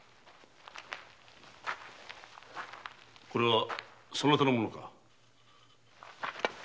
これはそなたの物だな。